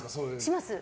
します。